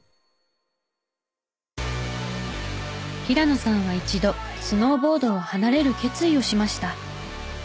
平野さんは一度スノーボードを離れる決意をしました。